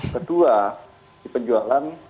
kedua di penjualan